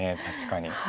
確かに。